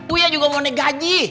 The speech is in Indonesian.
buya juga mau naik gaji